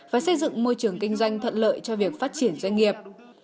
và xây dựng môi trường kinh doanh thuận lợi cho việc phát triển doanh nghiệp